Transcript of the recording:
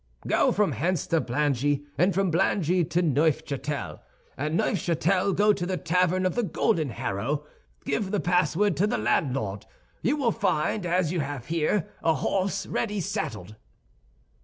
"Go from hence to Blangy, and from Blangy to Neufchâtel. At Neufchâtel, go to the tavern of the Golden Harrow, give the password to the landlord, and you will find, as you have here, a horse ready saddled."